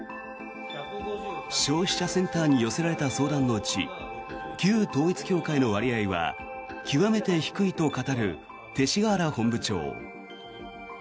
消費者センターに寄せられた相談のうち旧統一教会の割合は極めて低いと語る勅使河原本部長。